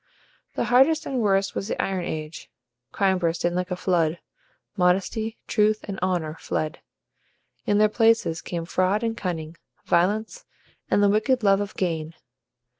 The hardest and worst was the Iron Age. Crime burst in like a flood; modesty, truth, and honor fled. In their places came fraud and cunning, violence, and the wicked love of gain.